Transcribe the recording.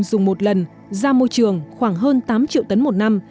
dùng một lần ra môi trường khoảng hơn tám triệu tấn một năm